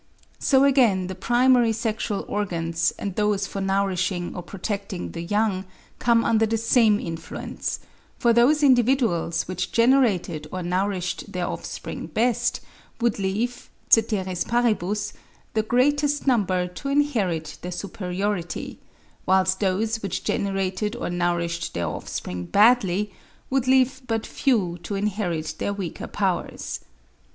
So again the primary sexual organs, and those for nourishing or protecting the young, come under the same influence; for those individuals which generated or nourished their offspring best, would leave, ceteris paribus, the greatest number to inherit their superiority; whilst those which generated or nourished their offspring badly, would leave but few to inherit their weaker powers.